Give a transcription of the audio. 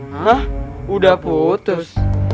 hah udah putus